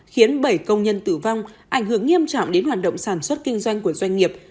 khiến bảy công nhân tử vong ảnh hưởng nghiêm trọng đến hoạt động sản xuất kinh doanh của doanh nghiệp